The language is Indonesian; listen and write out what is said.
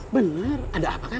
benar ada apa kak